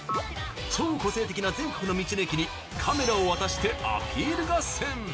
超個性的な全国の道の駅にカメラを渡してアピール合戦。